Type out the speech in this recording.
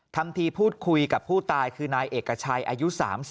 ทำทีพูดคุยกับผู้ตายคือนายเอกชัยอายุ๓๐